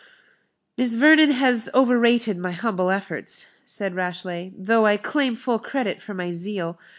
"Miss Vernon has overrated my humble efforts," said Rashleigh, "though I claim full credit for my zeal.